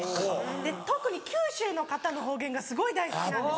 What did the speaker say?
特に九州の方の方言がすごい大好きなんです。